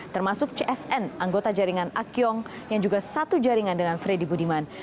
termasuk csn anggota jaringan akiong yang juga satu jaringan dengan freddy budiman